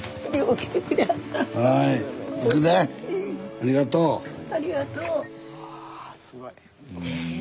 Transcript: あすごい。